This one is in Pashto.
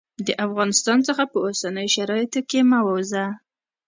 د افغانستان څخه په اوسنیو شرایطو کې مه ووزه.